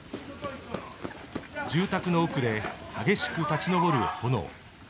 住宅の奥で、激しく立ち上る炎。